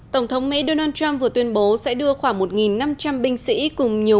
tổng thống mỹ donald trump vừa tuyên bố sẽ đưa khoảng một năm trăm linh binh sĩ cùng nhiều